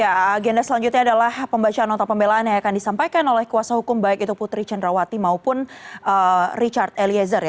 agenda selanjutnya adalah pembacaan nota pembelaannya yang akan disampaikan oleh kuasa hukum baik putri candrawati maupun richard eliezer